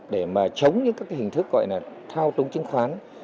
để mà chống những hình thức gọi là thao túng chứng khoán